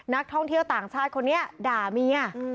นักท่องเที่ยวต่างชาติคนนี้ด่าเมีย